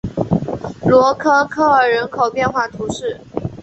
罗科科尔人口变化图示